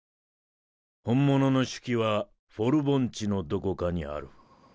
本物の手記はフォル盆地のどこかにある。